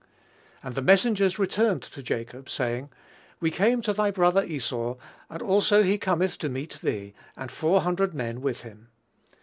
"And the messengers returned to Jacob, saying, We came to thy brother Esau, and also he cometh to meet thee, and four hundred men with him.